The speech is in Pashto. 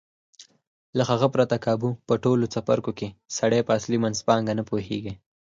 له هغه پرته کابو په ټولو څپرکو کې سړی په اصلي منځپانګه نه پوهېږي.